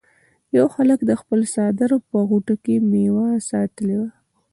یو هلک د خپل څادر په غوټه کې میوه ساتلې وه.